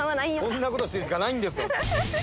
こんなことしてる時間ないですよ。